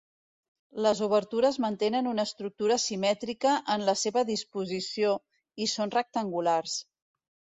Les obertures mantenen una estructura simètrica en la seva disposició, i són rectangulars.